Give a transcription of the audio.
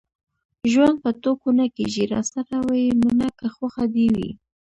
ژوند په ټوکو نه کېږي. راسره ويې منه که خوښه دې وي.